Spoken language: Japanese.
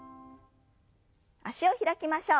脚を開きましょう。